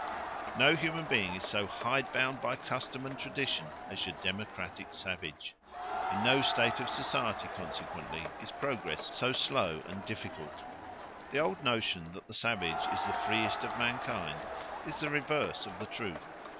No human being is so hide bound by custom and tradition as your democratic savage; in no state of society consequently is progress so slow and difficult. The old notion that the savage is the freest of mankind is the reverse of the truth.